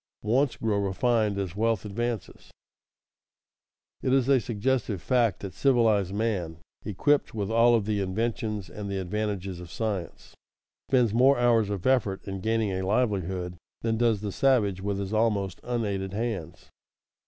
[Sidenote: Wants grow refined as wealth advances] It is a suggestive fact that civilized man, equipped with all of the inventions and the advantages of science, spends more hours of effort in gaining a livelihood than does the savage with his almost unaided hands.